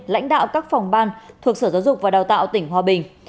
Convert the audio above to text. lãnh đạo các phòng ban thuộc sở giáo dục và đào tạo tỉnh hòa bình